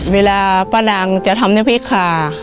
เวลาป้านางจะทำในภิษฐา